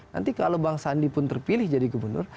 nanti kalau bang sandi pun terpilih jadi gubernur